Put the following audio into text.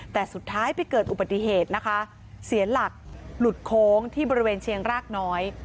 แต่สุดท้ายไปเกิดอุบัติเหตุนะคะเสียหลักหลุดโค้งที่บริเวณเชียงรากน้อย